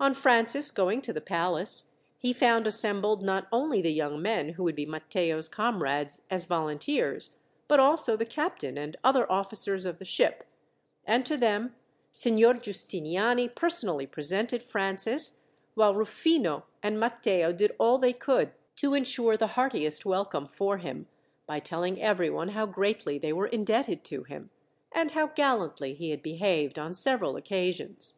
On Francis going to the palace he found assembled, not only the young men who would be Matteo's comrades as volunteers, but also the captain and other officers of the ship; and to them Signor Giustiniani personally presented Francis, while Rufino and Matteo did all they could to ensure the heartiest welcome for him, by telling everyone how greatly they were indebted to him, and how gallantly he had behaved on several occasions.